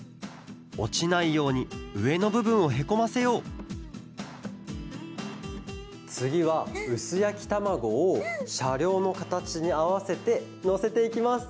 おちないようにうえのぶぶんをへこませようつぎはうすやきたまごをしゃりょうのかたちにあわせてのせていきます。